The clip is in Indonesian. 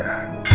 boleh dong rena